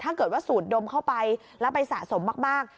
ถ้าเกิดว่าสูดดมเข้าไปแล้วไปสะสมมาก